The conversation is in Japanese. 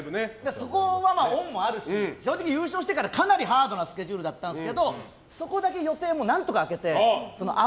恩もあるし正直、優勝してからかなりハードなスケジュールだったんですがそこだけ予定も何とか空けて。